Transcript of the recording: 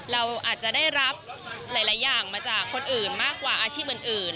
เราอาจจะได้รับหลายอย่างมาจากคนอื่นมากกว่าอาชีพอื่น